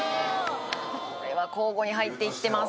これは交互に入っていってます